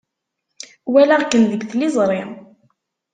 Walaɣ-kem deg tliẓri.